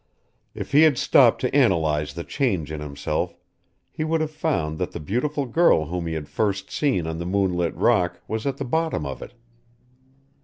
If he had stopped to analyze the change in himself he would have found that the beautiful girl whom he had first seen on the moonlit rock was at the bottom of it.